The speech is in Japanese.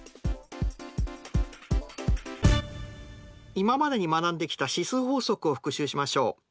今までに学んできた指数法則を復習しましょう。